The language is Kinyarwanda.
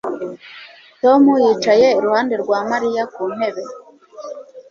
Tom yicaye iruhande rwa Mariya ku ntebe